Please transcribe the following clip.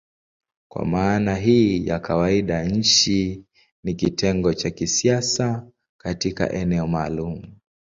Kwa maana hii ya kawaida nchi ni kitengo cha kisiasa katika eneo maalumu.